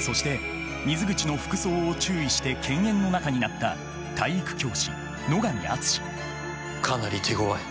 そして水口の服装を注意して犬猿の仲になった体育教師野上厚かなり手ごわい。